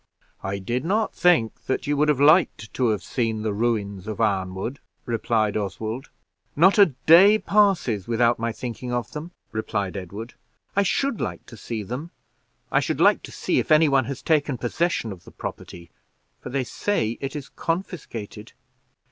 "I did not think that you would have liked to have seen the ruins of Arnwood," replied Oswald. "Not a day passes without my thinking of them," replied Edward. "I should like to see them. I should like to see if any one has taken possession of the property, for they say it is confiscated."